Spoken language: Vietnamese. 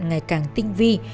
ngày càng tinh vi